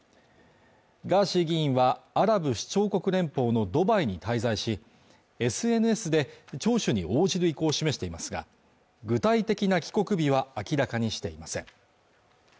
ガーシー議員はアラブ首長国連邦のドバイに滞在しＳＮＳで聴取に応じる意向を示していますが具体的な帰国日は明らかにしていません